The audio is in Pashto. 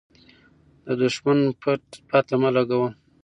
د دښمن پته مه لګوه.